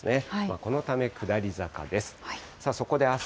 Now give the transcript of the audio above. このため下り坂です。